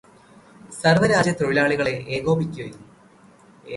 സർവ്വ രാജ്യതൊഴിലാളികളേ ഏകോപിക്കുവിൻ